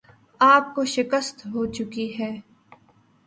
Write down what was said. آپ کو شکست ہوچکی ہے